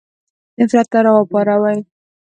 نفرت را وپاروي.